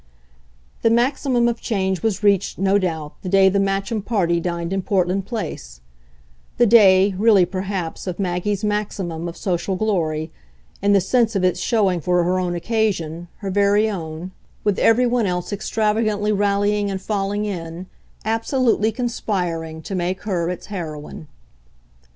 The maximum of change was reached, no doubt, the day the Matcham party dined in Portland Place; the day, really perhaps, of Maggie's maximum of social glory, in the sense of its showing for her own occasion, her very own, with every one else extravagantly rallying and falling in, absolutely conspiring to make her its heroine.